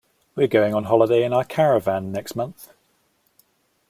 We're going on holiday in our caravan next month